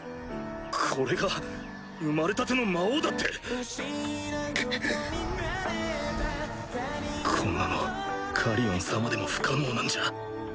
これが生まれたての魔王だって⁉こんなのカリオン様でも不可能なんじゃ